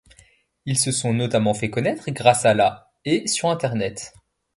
Ils se sont notamment fait connaître grâce à la et sur Internet.